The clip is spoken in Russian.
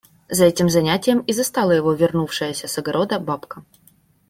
За этим занятием и застала его вернувшаяся из огорода бабка.